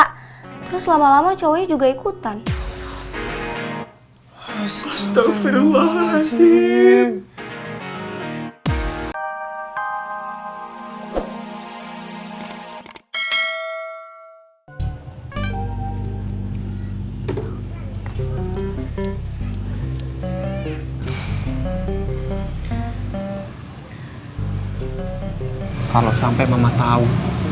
kita harus selesain masalah ini sebelum papa mama tau